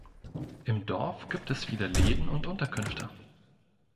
Im Dorf gibt es viele Läden und Unterkünfte.